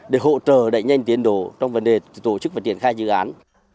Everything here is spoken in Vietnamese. để hỗ trợ đẩy nhanh tiến đổ trong vấn đề tổ chức và triển khai dự án